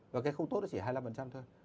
và cái không tốt nó chỉ hai mươi năm thôi